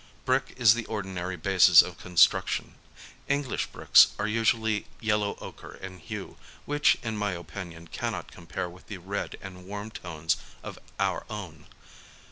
Brick is the ordinary basis of construction. English bricks are usually yellow ochre in hue, which in my opinion cannot compare with the red and warm tones of our own.